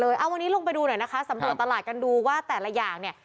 เอาวันนี้ลงไปดูหน่อยนะคะสำรวจตลาดกันดูว่าแต่ละอย่างเนี่ย